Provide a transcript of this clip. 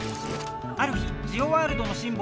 ある日ジオワールドのシンボル